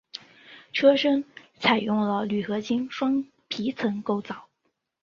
车身采用了铝合金双皮层构造。